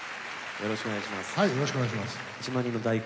よろしくお願いします。